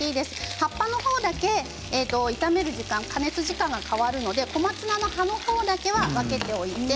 葉っぱの方だけ炒める時間加熱時間が変わるので小松菜の葉の方だけは分けておいて。